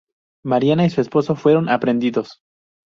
Mariana y su esposo fueron aprehendidos.